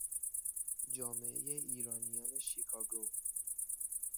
جامعهی ایرانیان شیکاگو